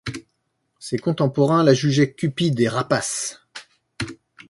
Ses contemporains la jugeaient cupide et rapace.